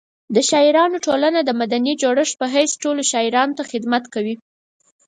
د شاعرانو ټولنه د مدني جوړښت په حیث ټولو شاعرانو ته خدمت کوي.